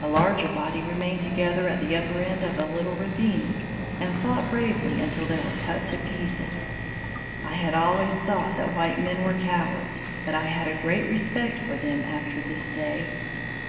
A larger body remained together at the upper end of a little ravine, and fought bravely until they were cut to pieces. I had always thought that white men were cowards, but I had a great respect for them after this day.